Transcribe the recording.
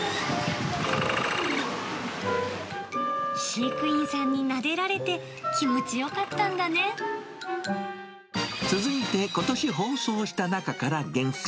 飼育員さんになでられて、続いて、ことし放送した中から厳選！